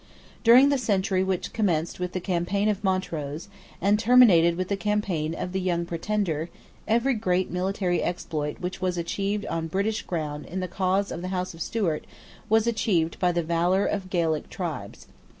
During the century which commenced with the campaign of Montrose, and terminated with the campaign of the young Pretender, every great military exploit which was achieved on British ground in the cause of the House of Stuart was achieved by the valour of Gaelic tribes.